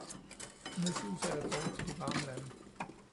Nu suser jeg bort til de varme lande